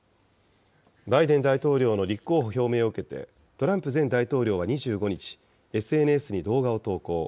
バイデン大統領の立候補表明を受けて、トランプ前大統領は２５日、ＳＮＳに動画を投稿。